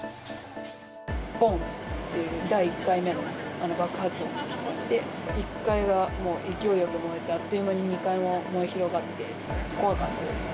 ぼんっていう、第１回目の爆発音がして、１階が勢いよく燃えて、あっという間に２階も燃え広がって、怖かったですね。